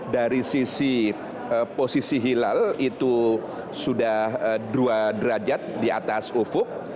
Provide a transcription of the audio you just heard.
dari sisi posisi hilal itu sudah dua derajat di atas ufuk